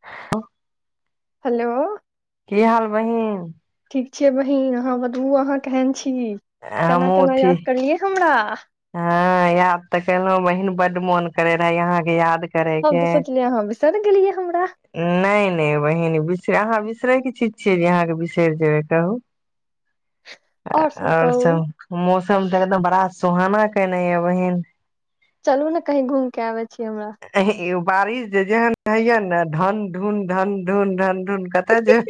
ह हेलो [inaudible] की हाल बहिन छीयै बहिन अहाँ बतबू अहाँ केहन छी केना केना हमहुँठी याद करलियै हमरा हँ याद तऽ कलहुँ बहिन बड्ड मोन करे रहै यहाँके याद हम करैके तऽ सोचलियै अहाँ बिसरि गेलियै हमरा नहि नहि बहिन बिस अहाँ बिसैर बिसरैके चीज छियै जे अहाँके बिसरि जेबै कहू आओर सब आओर कहू सभ मौस तऽ एकदम बड़ा सुहाना केना है बहिन चलू ने कहि घुम के आ ऐंह यौ बारिश जे जेहन होइया ने धन धुन धन धुन धन धुन कतऽ जे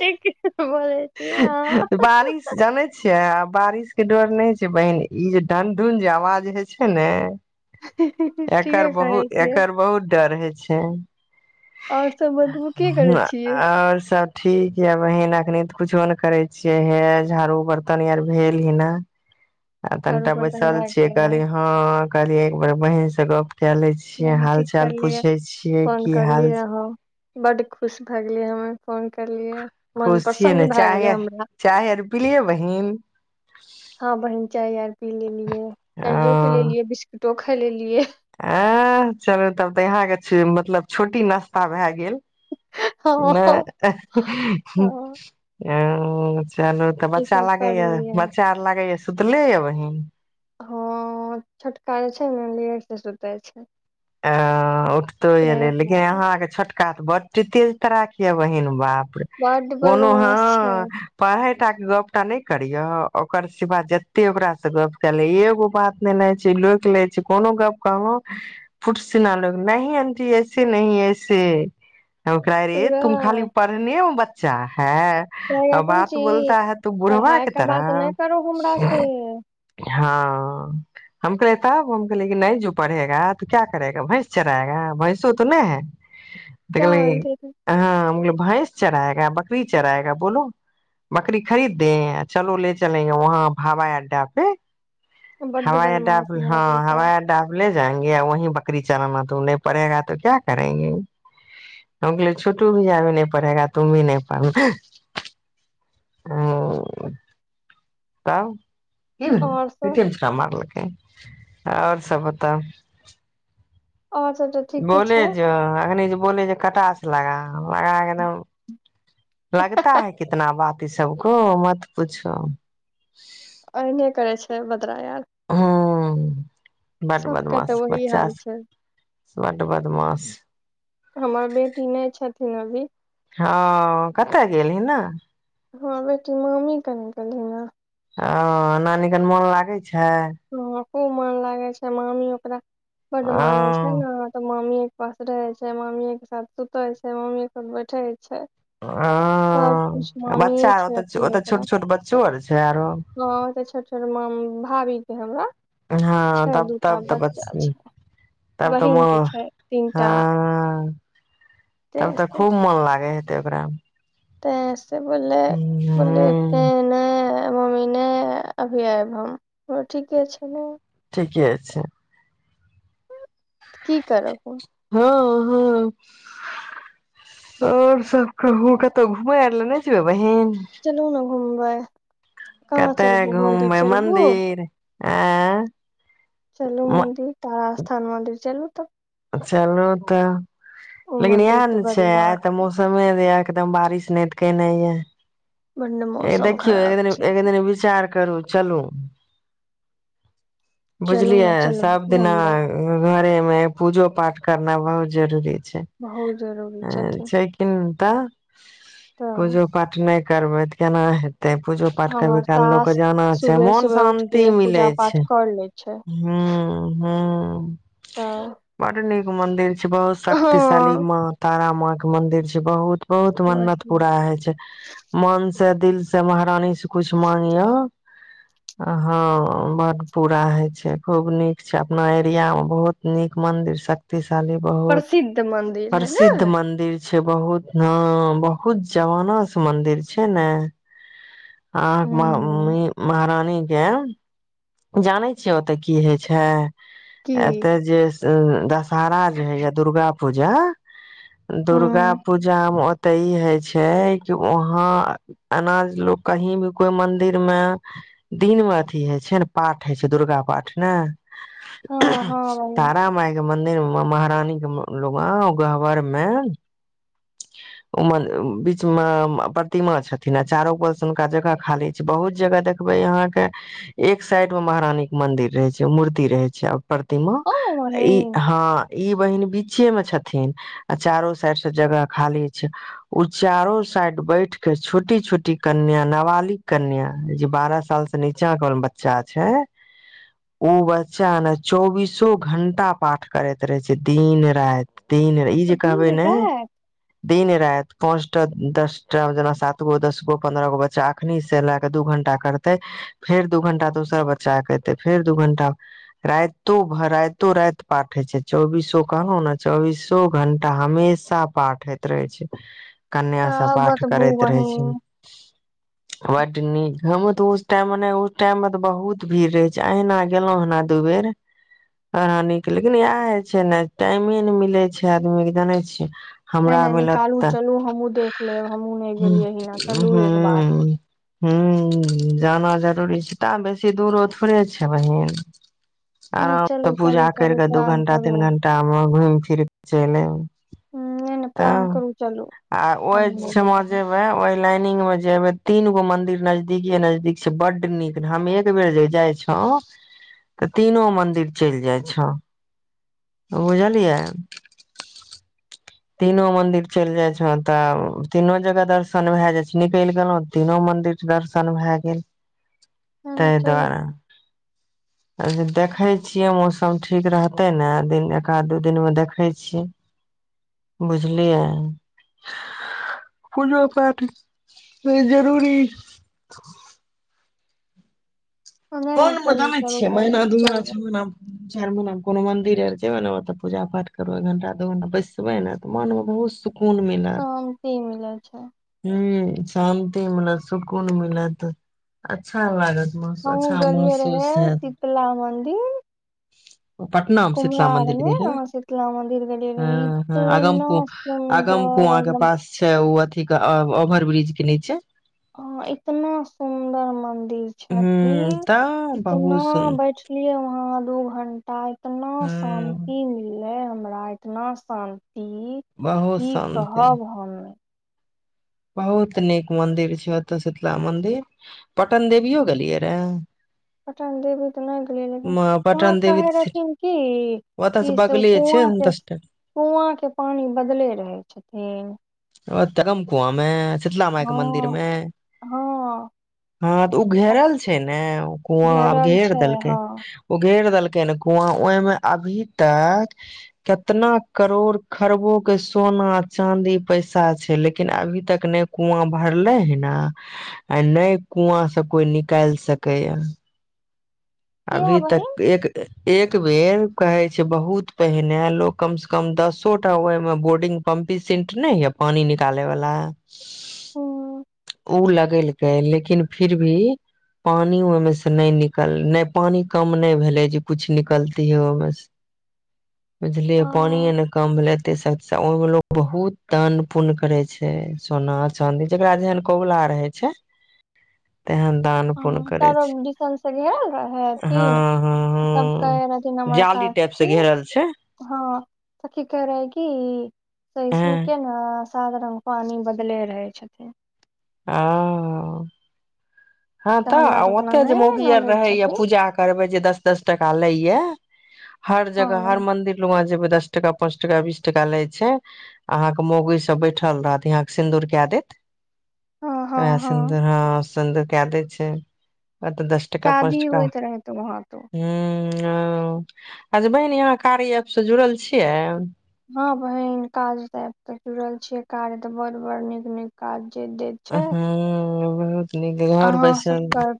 ठीक बोलै छियै अहाँ बारिश जानै छियै आब बारिश के डर नहि छै बहिन ई जे ढनढून जे आवाज होइ छै ने एकर ठीके कहै बहुत छियै एकर बहुत डर होइ अच्छा आओर सब बतबू की करै छियै आओर सब ठीक य बहीन एखनि कुछो नहि करै छियै हे झाड़ू बर्तन आर भेल ही न आ झाड़ू तनिटा बर्तन बैसल भए छियै गेलै कहली हँ कहलियै एक बेर बहिनसँ गप्प चले छियै देने हाल ठीक चाल करलियै पूछै छियै की हाल बड खुश भए गेलियै हमे फोन करलियै मन खुशियै ने प्रसन्न भए चाह गेलै हमरा चाह आर पीलियै बहीन हँ बहिन चाय आर पी लेलियै ओ चाययो पी लेलियै बिस्कुट टो खायलेलियै आ चलू तब तऽ यहाँके मतलब छोटी नास्ता भऽ गेल हँ हँ नहि [unintelligible] चलू तऽ ई बच्चा सब लागे कर यै लेलियै बच्चा आर लागे य सुतले यै बहिन हँ छोटका जे छै ने लेट से सुते छै अ उठतो एलै सैह लेकिन बात। अहाँके छोटका बड्ड तेज तराक यै बहिन बाप बड कोनो हँ बदमाश छै पढ़य एकटा के गपटा नहि करिय ओकर सिवा जते ओकरासँ गप क ल एगो बात नेनाइ छै लोकि लै छै कोनो गप कहलौं फुटसिना लोकि नहि आंटि ऐसे नहि ऐसे हम कहै रहियै पूरा तुम खाली पढ़ने बच्च चा है कहेगा आ कोन बात चीज बोलता है तू बुढ़बा पढ़ाइ के बात नहि तरह करो हमरा से हँ हम कहले तब हम कहले नहि जो पढ़ेगा त क्या करेगा भैंस चढ़एगा भैंसो तऽ नहि है तऽ क्या कहलक कि हलते अहाँ हम भैंस चराएगा बकरी चराएगा बोलो बकरी खरीद दे चलो ले चलेंगे वहाँ हवाई अड्डा पे बड्ड हवाई अड्डा बदमाश मेरा हँ बेटा हवाई अड्डा अपने [unintelligible] वी बकरी चलाना तू नहि पढ़ेगा तो क्या करेंगे गेल छुटू भीयभी नहि पढ़ेगा तुम भी नहि पढ़ना ओ तँ कि भेला और सब पेट आ मरल अछि के आओर सब ब बता। और सब तऽ ठीके बोलै छै ज एखन बोली जे कटा से लगा लगा के लगता है कितना बात सबके मत पूछो अने करे छै ब परिआम यार बड्ड सबके तऽ बदमाश वही हाल बच्चास छै ब्ड बदमास हमर बेटी नहि छथिन अभी हँ कतय गेल ही ने हँ बेटी मामी कनि गैल ही हॅं ने आ नानी कन मोन लागै छै छै हँ खूब मन लागे छै मामी ओकरा बड ह मानै य अछि छै ने तऽ मामी पास रहे छै मामीे के साथ सुते छै मामी बैठे छै सब किछ ह मामीे बच्चा आर छै ओतऽ अखनी ओतऽ छोट ओकरा छोट बच्चो आर छै आरो त छोट छोट मामी भावी के हमरा हँ छै तब दूटा तब तऽ ब बच्चा छै तब तऽ म बहिन के छै हँ तीनटा ते तब तऽ खूब मन लागे [unintelligible] तेँ से बोले बोललै ने ह कोनो मम्मी ने अभी आब हम ओ ठीके छै ने ठीके छै की करब हँ हँ आओर सब कहू कतहु घुमै आर ल ने जबै बहिन चलु न मुंबइ कतय घुमबै मन्दिर आंय चलू मन्दिर तारा स्थान मन्दिर चलू तब चलू तऽ ओ लेकिन मंदिर इएह तऽ ने छै बड़ी म आ तऽ मौसमे एकदम बारिश नाहित केनै बड ये मौसम देखियौ एक खराब दिन एक छथिन दिन विचार करू चलू चलू बुझलियै ने सब चलबै दिना घुमबै घरेमे मैप पूजो पाठ करना बहुत जरूरी छैे बहुत जरूरी छथिन छैकिनै तऽ तऽ पूजो पाठ नै करबै तऽ केना हेत तै पूजो पाठ कभी हमर काल लोकके सास जाना छै सुबह मोन सुबह उठ शान्ति के मिलै पूजा पाठ छै कर ले छै हूँ हूँ तऽ बड्ड नीक मन्दिर छै बहुत शक्तिशाली हँ माँ तारा माँ मंदिर छै बहुत बहुत मन्नत वही पूरा होइ छै मन सँ दिल से महारानी से कुछ मांगियौ हँ बड्ड पूरा होय छै खूब नीक छै अपना एरिया मे बहुत नीक मन्दिर शक्ति वाली बहुत प्रसिद्ध मंदिर है ने प्रसिद्ध मंदिर छै बहुत न बहुत जमाना से मन्दिर छै ने आह ह महारानी नी केँ जानै छिय ओतऽ की होइ छै की एतऽ जे उ दशहरा जे होइए दुर्गा पूजा हँ दुर्गा पूजा मे ओते ई हय छै छै कि वहाँ अनाज लोक कहीं भी कोइ मंदिर मे दिन मे अथी हर छै ने पठ होइ छै दुर्गा पाठ ने हँ हँ बहिन तारामाय मंन्दिर मे महारानी के लग गबरमे ओ म बीच मे प्रतिमा छथिन आ चारो बगल सँ हुनका जगह खाली छै बहुत जगह देखबै अहाँ के एक साइड मे महारानी के मन्दिर रहै छै मूर्ति रहे छै प्रतिमा हँ ई बहिन हँ ई बहिन बीचे में छथिन आ चारो साइड सँ जगह खाली छै ओ चारो साइड बैठ के छोटी छोटी कन्या नाबालिग कन्या जे बारह साल से नीचा ल बच्चा छै ओ बच्चा ने चौबीसो घंटा पाठ करैत रहे छै दिन राति ई नहि ई जे कहबै अभी ने राति दिन राति पाँच टा दस टा जेना सात गो दस गो पन्द्रह गो बच्चा एखनि से लए कऽ दू घंटा करतै फेर दू घंटा दोसर बच्चाके अयतै फेर दू घंटा राइतो भ राइतो राति पाठ होइ छै चौबीसो कहलहु ने चौबीसो घंटा हमेशा पाठ होइत रहै छै कन्या का सभ पाठ बतबू करैत रहै छी बहिन बड्ड नीक हमहुँ तऽ उस टाइम मे नहि उस टाइम मे तऽ बहुत भीड़ रहै छै अहिना गेलहुं हना दू बेर एना नीक लेकिन इएह हय छै ने टाइमे ने मिलै छै आदमी के जानै छियै नहि हमरा नहि मिलत निकालू तऽ चलू हमहुँ देख लेब हमहुँ नहि गेलियै हिना हूँ चलू एक बार हूँ जाना जरूरी छै तब बेसी दूरो थोड़े छै बहीन नहि नहि आरामसँ चलू पूजा चलू करि चलू कऽ दू प्लान घंटा करू तीन घंटामे घूमि फिर कऽ चलि आयब हम्म, नहि नहि प्लान करू चलू तब आ ओहि हमहुँ नहि ठमा गेलियै हिना जेबै ओहि ल ट्रेनिंग मे जयबै तीन गो मंदिर नजदीकीए नजदीक छै बुझलियै बड्ड नीक हम एक बेर जे जाइ छहुँ तऽ तीनो मंदिर चलि जाइ छहुँ तीनो मंदिर चलि जाइ छौ तऽ तीनो जगह दर्शन भए जाइ छ निकलि गेलहु तीनो मंन्दिर दर्शन भए गेल नहि नहि तहि चलू दुआरे आ देखै छियै मौसम ठीक रहतै ने दिन एकाध दू दिनमे देखै छियै बुझलियै पूजो पाठ जरूरी हँ, नहि नहि दिनमे चलू जानैत चलू छिय महिना चलू दू महिना चलबै छ महिनामे चार महिनामे कोनो मंदिर आर जेबे ने ओत पूजा पाठ करबै एक घंटा दू घंटा बैसबे ने मन मे बहुत सुकून कून मिलत शान्ति छै [inaudible] ह शान्ति मिलत सुकून मिलत अच्छा लागत हम अच्छा गेलियै रहे महसूस हैत शीतला मन्दिर पटना मे शीतला मन्दिर गेल अहाँ शीतला मंदिर गेलियै ह रहे इतना हगमुगम कु सुंदर के एकदम पास छै ठीक ओवर ब्रिज के नीचे ह इतना सुन्दर मन्दिर र हूँ छथिन तऽ इतना बहुत सुन बैठलियए वहाँ दू घण्टा इतना हूँ शान्ति मिलले हमरा इतना आसान ती बहुत की शान्ति कहब हम बहुत नीक मन्दिर छै ओतय शीतला मन्दिर पटन देवियो गेलियै रहए पटन देवी तना गेल वहां पटन देवी कहे तऽ सी- रहथिन क ओतऽ कि से ओ बगले छै कुआँ के दस टा कुआँ के पानी बदले रहै छथिन ओ तम कुमे शीतला माय के मंदिर हँ मे हँ ह त ओ घेरल छै ने कुआ घेरल घेर छै देलकै हँ ओ घेर देलकै केनकुआं ह ओहिमे अभी तक कितना करोड़ खरबो के सोना चाँदी पैसा छै लेकिन अभी तक नहि कुआँ भरले ह न आ नहि कुआँ से कोई निकालि सकै या किया अभी बहिन तक एक एक बेर कहे छै बहुत पहिने लोग कम से कम दसो टा ओहि मे बोर्डिंग पम्पिंग सेंट नहि ह पानी निकाले वालला ह उ लगेलकय लेकिन फिर भी पानी ओहिमे से नहि निकल नहि पानि कम नहि भेलै जे कुछ निकलती हय ओ बस बुझलियए पानिे ने काम भेल लैते से ओहिमे लोको बहुत दान पुण्य करै छै सोना चाँदी जकरा जेहन कबुला रहै छै तेहन दान पुण्य करे चारो छै दिसन से घेरल रहहै हँ ेथिन हँ सब हँ कहे रहथिन हमर जाली टाइप से साथी घेरल छै हँ त की कह रहेै क सह हँ सुन के ने साात रंगग पानी बदले रहै छथिन ह हँ तऽ हमरा उतना ओते जे नहि मोगी आर नॉलेज रहे या छथिन पूजा करबे जे दस दस टाका लैय हर हँ जगह हर बहिन मंिर ल वहा जेबै दस टका पांच टका बीस टका लाई छै अहा के मौगी सब बैठल रहत अहा के सिंदूर के दैत हँ हँ वहां सिंदूर हँ सन्द कदै छै अत दस टका शादी पाँचटका होइत रहे तऽ वहाँ तो हू ह अच्छा बहिन यहाँ कारी एप से जुड़ल छियै हँ बहिन काज त आबऽ जुड़ल छियै कार्य तऽ बड़ बड़ नीक नीक काज जे दैत हँ छै ब तन घर अहाँ सब बैसल कर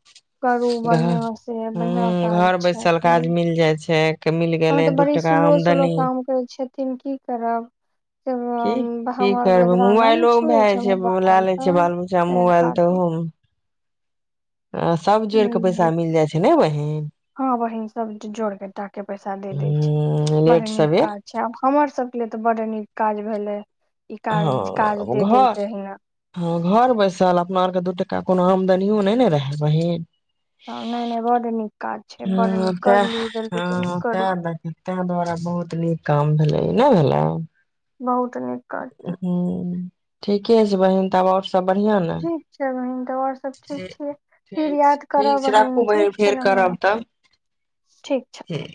करू घ बढ़ियां से ह बढ़ियां काज घर छै बैसल काज मिल जाइ छै मिल गेलै दू टाका आमदनी तििन की करब जब की हम, की हमर करबै बेदरा नहि ने मोबाइलोमे छुए भए जाइ छै लए मोबाइल लै छै तऽ बाल बच्चामे तैं मोबाइल तऽ खातिर ओहोमे सब जोड़ के पैसा मिल जाइ छै ने बहिन हँ बहन सब जोरके टाके पैसा दे दै छै हूं बड़ लेट नीक सबेर काज छै आब हमर सब ल तऽ बड नीक काज भेलै ई काज काज हँ दे घर देलकै हन हँ घर बैसल अपना आरके दूटा कोनो आमदनियो नहि ने रहै बहिन नहि नहि बड नीक काज छै बड ह नीक तै करलू जल्दी जल्दी हँ तै करू तै द्वारा बहुत निक काम भेलै नहि भेलै बहुत त नीक काज हूँ ठीके छै बहिन तब आओर सब बढ़िआँ ने ठीक छै बहीन तब आओर सभ ठीक छियै फिर छै याद करब ठीक छै बहीन राखू बहिन ठीक छै फेर ने बहिन करब तब छी ठीक छथिन